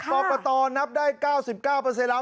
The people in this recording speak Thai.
ตอบประตอนับได้๙๙แล้ว